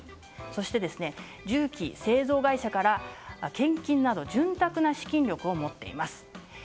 そして銃器製造会社から献金など潤沢な資金力を持っています。